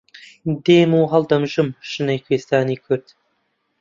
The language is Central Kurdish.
دێم و هەڵدەمژم شنەی کوێستانی کورد